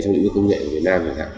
trong lĩnh vực công nghệ việt nam